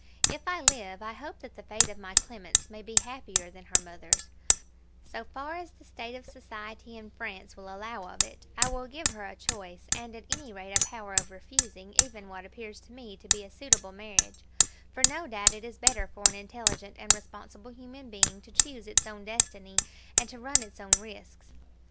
If I live, I hope that the fate of my Clemence may be happier than her mother's, so far as the state of society in France will allow of it: I will give her a choice, and, at any rate, a power of refusing even what appears to me to be a suitable marriage; for no doubt it is better for an intelligent and responsible human being to choose its own destiny, and to run its own risks.